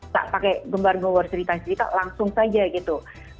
tak pakai gembar gembar cerita cerita langsung saja gitu